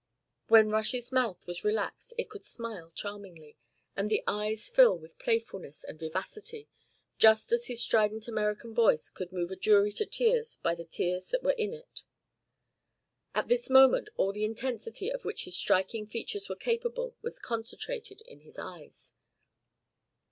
When Rush's mouth was relaxed it could smile charmingly, and the eyes fill with playfulness and vivacity, just as his strident American voice could move a jury to tears by the tears that were in it. At this moment all the intensity of which his striking features were capable was concentrated in his eyes.